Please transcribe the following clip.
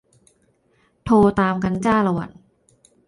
โทร.ตามกันจ้าละหวั่น